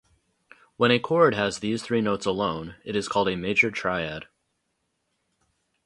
When a chord has these three notes alone, it is called a major triad.